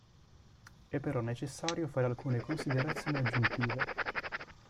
È però necessario fare alcune considerazioni aggiuntive.